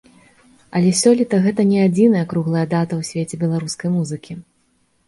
Але сёлета гэта не адзіная круглая дата ў свеце беларускай музыкі.